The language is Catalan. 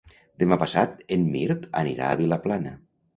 Demà passat en Mirt anirà a Vilaplana.